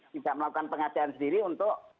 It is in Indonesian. tidak melakukan pengadaan sendiri untuk